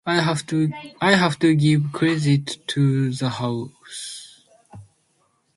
I have to give credit to the horse.